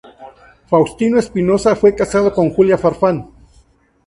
Faustino Espinoza fue casado con Julia Farfán.